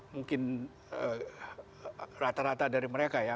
mungkin rata rata dari mereka ya